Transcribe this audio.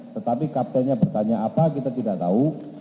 tetapi kaptennya bertanya apa kita tidak tahu